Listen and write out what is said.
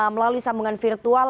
melalui sambungan virtual